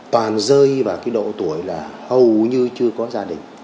toàn rơi vào cái độ tuổi là hầu như chưa có gia đình